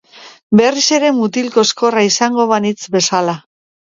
Berriz ere mutil koskorra izango banintz bezala.